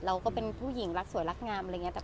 ก็เป็นผู้หญิงรักสวยรักงามอะไรอย่างนี้